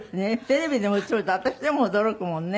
テレビでも映ると私でも驚くもんね。